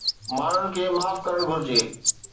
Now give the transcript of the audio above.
ماڻهن کي معاف ڪرڻ گهرجي